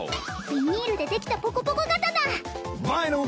ビニールでできたポコポコ刀！